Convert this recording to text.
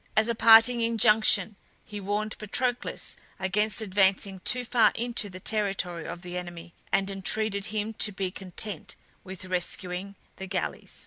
As a parting injunction he warned Patroclus against advancing too far into the territory of the enemy, and entreated him to be content with rescuing the galleys.